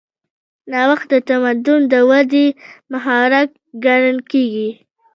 نوښت د تمدن د ودې محرک ګڼل کېږي.